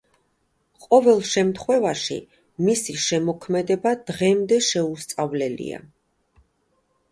ყოველ შემთხვევაში, მისი შემოქმედება დღემდე შეუსწავლელია.